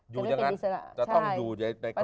อยู่อย่างนั้นจะต้องอยู่ในการ